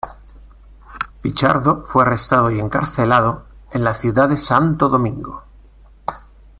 Pichardo fue arrestado y encarcelado en la ciudad de Santo Domingo.